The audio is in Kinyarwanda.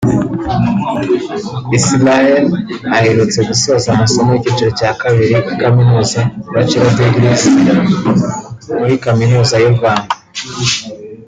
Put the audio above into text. Israel aherutse gusoza amasomo y’icyiciro cya kabiri cya Kaminuz a(Bachelors Degree) muri kaminuza y’u Rwanda